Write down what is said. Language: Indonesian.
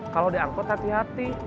kalau di angkot hati hati